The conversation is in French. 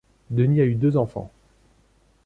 Denis eut deux enfants.